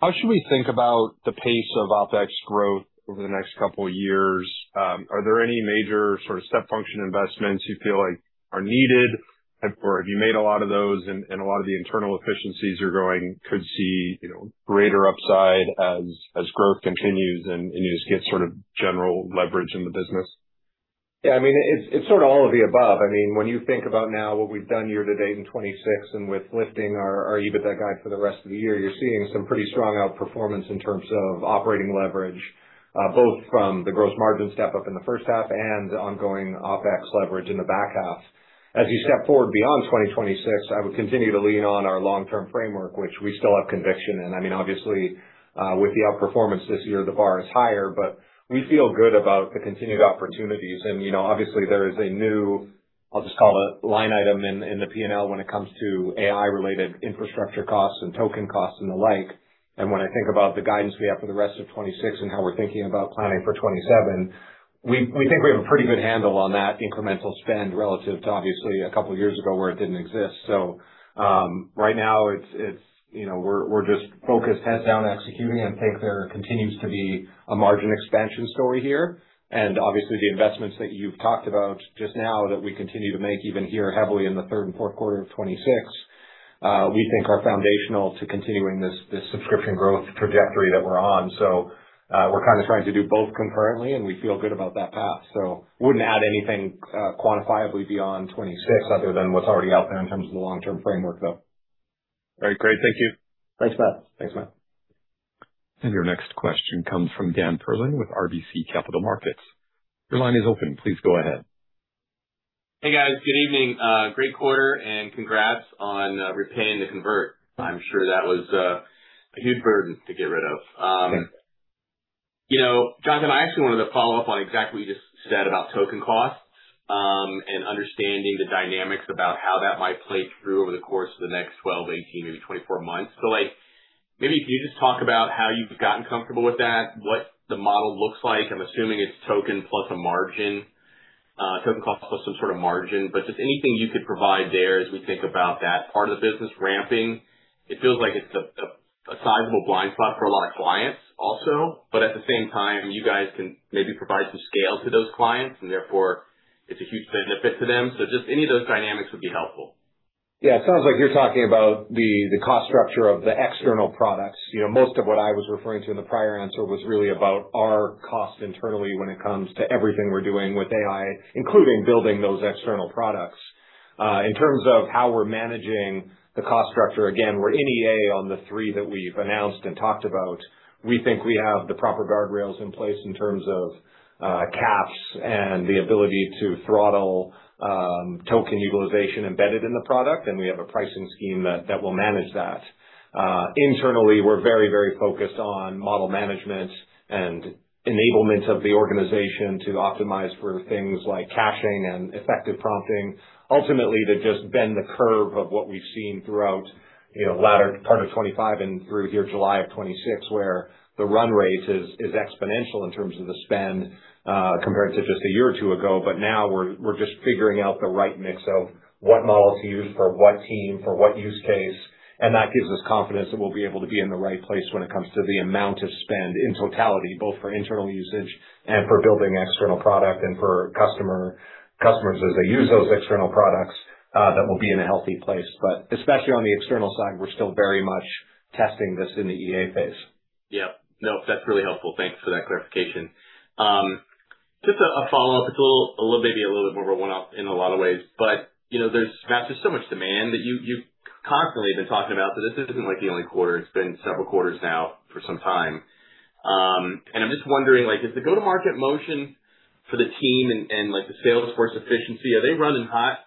How should we think about the pace of OpEx growth over the next couple of years? Are there any major sort of step function investments you feel like are needed? Have you made a lot of those and a lot of the internal efficiencies you're growing could see greater upside as growth continues, and you just get sort of general leverage in the business? Yeah, it's sort of all of the above. When you think about now what we've done year-to-date in 2026, and with lifting our EBITDA guide for the rest of the year, you're seeing some pretty strong outperformance in terms of operating leverage, both from the gross margin step-up in the first half and the ongoing OpEx leverage in the back half. As you step forward beyond 2026, I would continue to lean on our long-term framework, which we still have conviction in. Obviously, with the outperformance this year, the bar is higher, but we feel good about the continued opportunities. Obviously there is a new, I'll just call it a line item in the P&L when it comes to AI-related infrastructure costs and token costs and the like. When I think about the guidance we have for the rest of 2026 and how we're thinking about planning for 2027, we think we have a pretty good handle on that incremental spend relative to obviously a couple of years ago where it didn't exist. Right now we're just focused heads down executing and think there continues to be a margin expansion story here. Obviously the investments that you've talked about just now that we continue to make even here heavily in the third and fourth quarter of 2026, we think are foundational to continuing this subscription growth trajectory that we're on. We're kind of trying to do both concurrently, and we feel good about that path. Wouldn't add anything quantifiably beyond 2026 other than what's already out there in terms of the long-term framework, though. All right. Great. Thank you. Thanks, Matt. Thanks, Matt. Your next question comes from Dan Perlin with RBC Capital Markets. Your line is open. Please go ahead. Hey, guys. Good evening. Great quarter and congrats on repaying the convert. I'm sure that was a huge burden to get rid of. Jonathan, I actually wanted to follow up on exactly what you just said about token costs, and understanding the dynamics about how that might play through over the course of the next 12, 18, maybe 24 months. Like, maybe if you just talk about how you've gotten comfortable with that, what the model looks like. I'm assuming it's token plus a margin, token cost plus some sort of margin, but just anything you could provide there as we think about that part of the business ramping. It feels like it's a sizable blind spot for a lot of clients also. At the same time, you guys can maybe provide some scale to those clients and therefore it's a huge benefit to them. Just any of those dynamics would be helpful. Yeah, it sounds like you're talking about the cost structure of the external products. Most of what I was referring to in the prior answer was really about our costs internally when it comes to everything we're doing with AI, including building those external products. In terms of how we're managing the cost structure, again, we're in EA on the three that we've announced and talked about. We think we have the proper guardrails in place in terms of caps and the ability to throttle token utilization embedded in the product. We have a pricing scheme that will manage that. Internally, we're very focused on model management and enablement of the organization to optimize for things like caching and effective prompting. Ultimately, to just bend the curve of what we've seen throughout latter part of 2025 and through here July of 2026, where the run rate is exponential in terms of the spend, compared to just a year or two ago. Now we're just figuring out the right mix of what model to use for what team, for what use case. That gives us confidence that we'll be able to be in the right place when it comes to the amount of spend in totality, both for internal usage and for building external product and for customers as they use those external products, that we'll be in a healthy place. Especially on the external side, we're still very much testing this in the EA phase. Yeah. No, that's really helpful. Thanks for that clarification. Just a follow-up. It's maybe a little bit more of a one-off in a lot of ways, there's so much demand that you've constantly been talking about. This isn't like the only quarter. It's been several quarters now for some time. I'm just wondering, is the go-to-market motion for the team and the sales force efficiency, are they running hot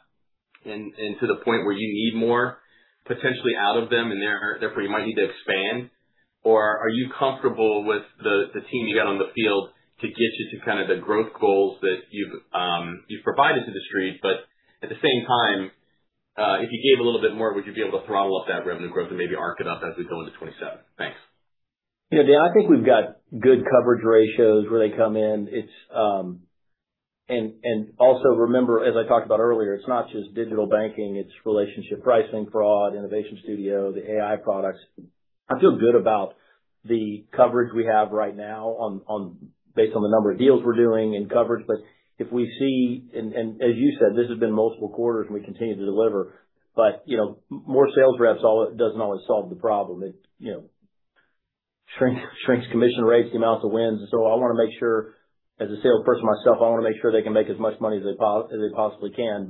and to the point where you need more potentially out of them and therefore you might need to expand? Are you comfortable with the team you got on the field to get you to the growth goals that you've provided to the street? At the same time, if you gave a little bit more, would you be able to throttle up that revenue growth and maybe arc it up as we go into 2027? Thanks. Dan, I think we've got good coverage ratios where they come in. Also remember, as I talked about earlier, it's not just digital banking, it's Relationship Pricing, fraud, Q2 Innovation Studio, the AI products. I feel good about the coverage we have right now based on the number of deals we're doing and coverage. If we see, and as you said, this has been multiple quarters and we continue to deliver. More sales reps doesn't always solve the problem. It shrinks commission rates, the amount of wins. I want to make sure, as a salesperson myself, I want to make sure they can make as much money as they possibly can.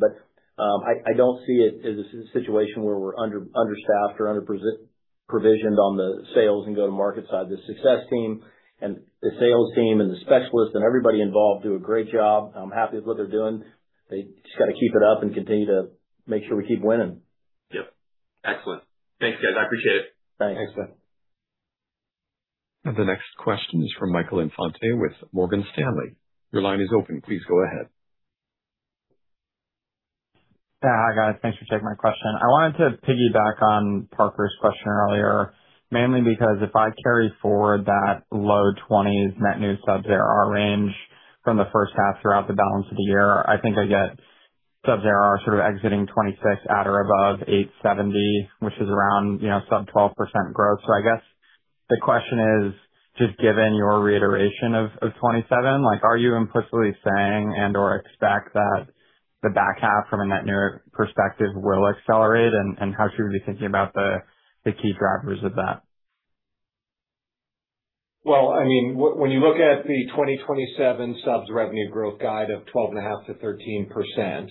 I don't see it as a situation where we're understaffed or underprovisioned on the sales and go-to-market side. The success team and the sales team and the specialists and everybody involved do a great job. I'm happy with what they're doing. They just got to keep it up and continue to make sure we keep winning. Yep. Excellent. Thanks, guys. I appreciate it. Thanks. Thanks, Dan. The next question is from Michael Infante with Morgan Stanley. Your line is open. Please go ahead. Hi, guys. Thanks for taking my question. I wanted to piggyback on Parker's question earlier, mainly because if I carry forward that low 20s net new sub-ARR range from the first half throughout the balance of the year, I think I get sub-ARR sort of exiting 2026 at or above $870 million, which is around sub 12% growth. I guess the question is, just given your reiteration of 2027, are you implicitly saying and/or expect that the back half from a net new perspective will accelerate, and how should we be thinking about the key drivers of that? When you look at the 2027 subs revenue growth guide of 12.5%-13%,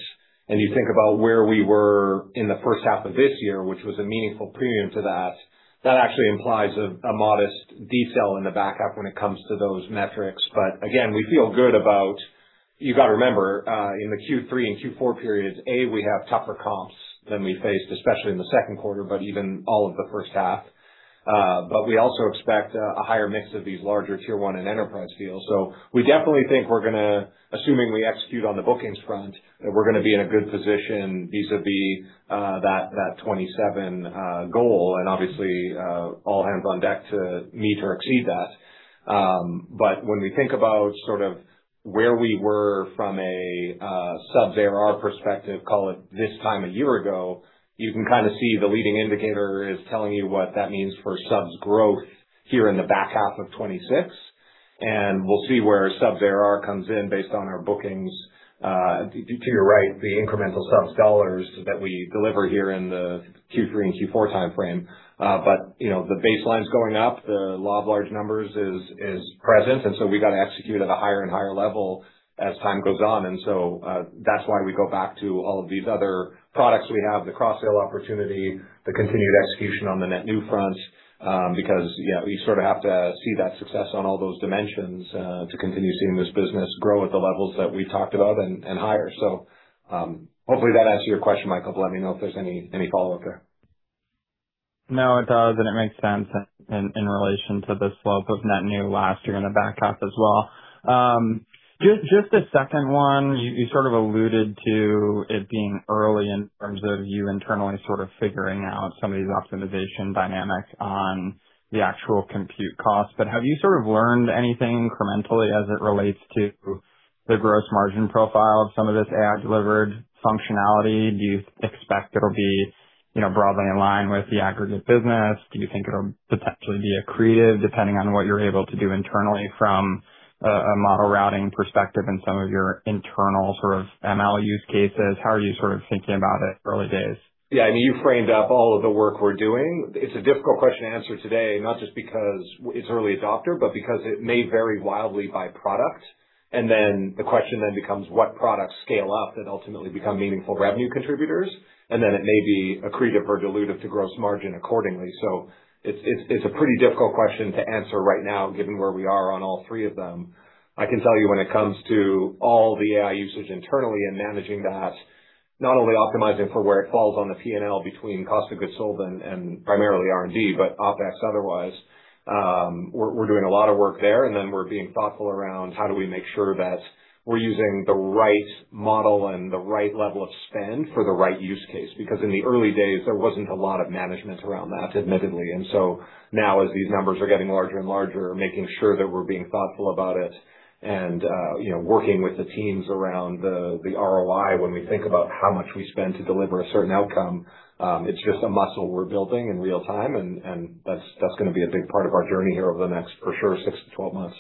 and you think about where we were in the first half of this year, which was a meaningful premium to that actually implies a modest decel in the back half when it comes to those metrics. You got to remember, in the Q3 and Q4 periods, we have tougher comps than we faced, especially in the second quarter, but even all of the first half. We also expect a higher mix of these larger Tier 1 and enterprise deals. We definitely think we're going to, assuming we execute on the bookings front, that we're going to be in a good position vis-à-vis that 2027 goal and obviously all hands on deck to meet or exceed that. When we think about sort of where we were from a sub-ARR perspective, call it this time a year ago, you can kind of see the leading indicator is telling you what that means for subs growth here in the back half of 2026. We'll see where sub-ARR comes in based on our bookings. To your right, the incremental sub dollars that we deliver here in the Q3 and Q4 timeframe. The baseline's going up. The law of large numbers is present, we got to execute at a higher and higher level as time goes on. That's why we go back to all of these other products we have, the cross-sell opportunity, the continued execution on the net new front, because we sort of have to see that success on all those dimensions, to continue seeing this business grow at the levels that we talked about and higher. Hopefully, that answers your question, Michael, let me know if there's any follow-up there. It does, and it makes sense in relation to the slope of net new last year in the back half as well. Just a second one. You sort of alluded to it being early in terms of you internally sort of figuring out some of these optimization dynamics on the actual compute cost, but have you sort of learned anything incrementally as it relates to the gross margin profile of some of this AI-delivered functionality? Do you expect it'll be broadly in line with the aggregate business? Do you think it'll potentially be accretive depending on what you're able to do internally from a model routing perspective in some of your internal sort of ML use cases? How are you sort of thinking about it early days? You framed up all of the work we're doing. It's a difficult question to answer today, not just because it's early adopter, but because it may vary wildly by product. The question then becomes what products scale up that ultimately become meaningful revenue contributors? It may be accretive or dilutive to gross margin accordingly. It's a pretty difficult question to answer right now, given where we are on all three of them. I can tell you when it comes to all the AI usage internally and managing that, not only optimizing for where it falls on the P&L between cost of goods sold and primarily R&D, but OpEx otherwise, we're doing a lot of work there. We're being thoughtful around how do we make sure that we're using the right model and the right level of spend for the right use case. In the early days, there wasn't a lot of management around that, admittedly. Now, as these numbers are getting larger and larger, making sure that we're being thoughtful about it and working with the teams around the ROI when we think about how much we spend to deliver a certain outcome. It's just a muscle we're building in real time, and that's going to be a big part of our journey here over the next, for sure, 6-12 months.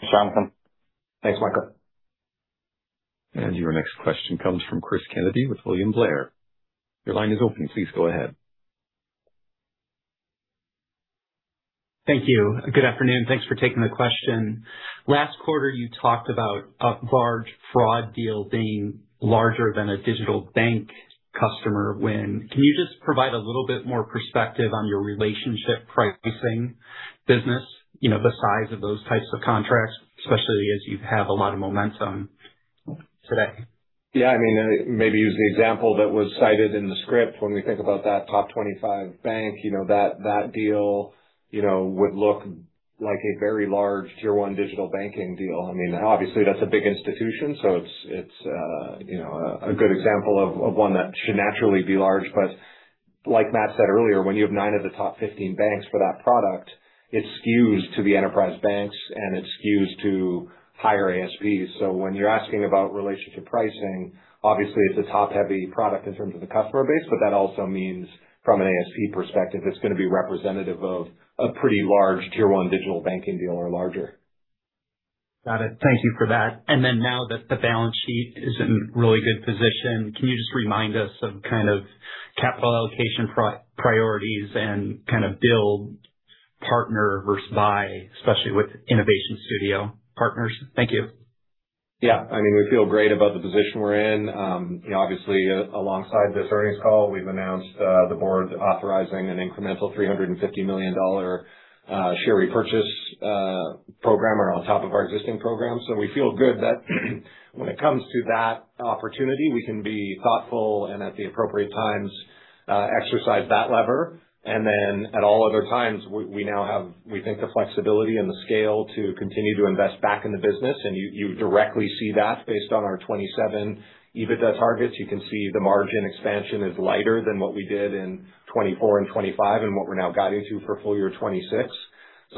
Thanks, Jonathan. Thanks, Michael. Your next question comes from Cris Kennedy with William Blair. Your line is open. Please go ahead. Thank you. Good afternoon. Thanks for taking the question. Last quarter, you talked about a large fraud deal being larger than a digital bank customer win. Can you just provide a little bit more perspective on your Relationship Pricing business, the size of those types of contracts, especially as you have a lot of momentum today? Yeah. Maybe use the example that was cited in the script. When we think about that top 25 bank, that deal would look like a very large Tier 1 digital banking deal. Obviously, that's a big institution, so it's a good example of one that should naturally be large. Like Matt said earlier, when you have nine of the top 15 banks for that product, it skews to the enterprise banks, and it skews to higher ASPs. When you're asking about Relationship Pricing, obviously it's a top-heavy product in terms of the customer base, but that also means from an ASP perspective, it's going to be representative of a pretty large Tier 1 digital banking deal or larger. Got it. Thank you for that. Now that the balance sheet is in really good position, can you just remind us of capital allocation priorities and kind of build partner versus buy, especially with Q2 Innovation Studio partners? Thank you. We feel great about the position we're in. Obviously, alongside this earnings call, we've announced the board authorizing an incremental $350 million share repurchase program on top of our existing program. We feel good that when it comes to that opportunity, we can be thoughtful and at the appropriate times, exercise that lever. At all other times, we now have, we think, the flexibility and the scale to continue to invest back in the business. You directly see that based on our 2027 EBITDA targets. You can see the margin expansion is lighter than what we did in 2024 and 2025 and what we're now guiding to for full-year 2026.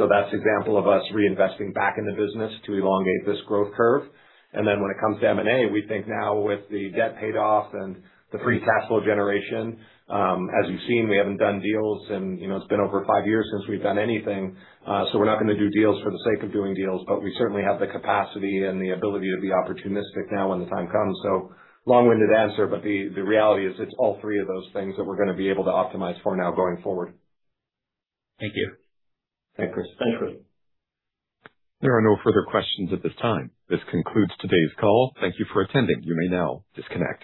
That's example of us reinvesting back in the business to elongate this growth curve. When it comes to M&A, we think now with the debt paid off and the free cash flow generation, as you've seen, we haven't done deals. It's been over five years since we've done anything. We're not going to do deals for the sake of doing deals, but we certainly have the capacity and the ability to be opportunistic now when the time comes. Long-winded answer, but the reality is it's all three of those things that we're going to be able to optimize for now going forward. Thank you. Thanks, Cris. Thanks, Cris. There are no further questions at this time. This concludes today's call. Thank you for attending. You may now disconnect.